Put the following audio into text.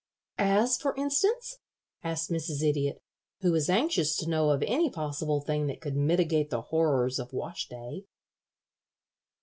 "As, for instance?" asked Mrs. Idiot, who was anxious to know of any possible thing that could mitigate the horrors of wash day.